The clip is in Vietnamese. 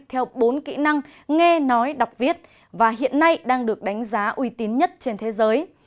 theo bốn kỹ năng nghe nói đọc viết và hiện nay đang được đánh giá uy tín nhất trên thế giới